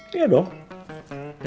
bukanlah orangnya pinter banget